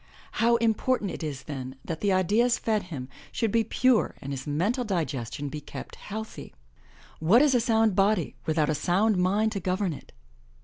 How important it is then that the ideas fed him should be pure and his mental digestion be kept healthy. What is a sound body without a sound mind to govern it?